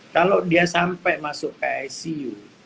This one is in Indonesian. kalau dia sampai masuk ke icu